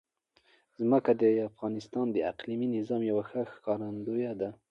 ځمکه د افغانستان د اقلیمي نظام یوه ښه ښکارندوی ده.